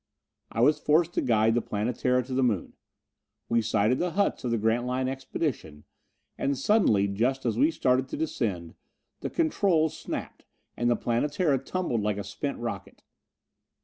I was forced to guide the Planetara to the Moon. We sighted the huts of the Grantline Expedition, and suddenly, just as we started to descend, the controls, snapped, and the Planetara tumbled like a spent rocket!